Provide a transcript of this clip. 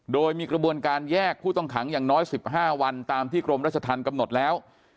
โดยมีกระบวนการแยกผู้ต้องขังอย่างน้อย๑๕วันตามที่กรมราชธรรมกำหนดแล้ว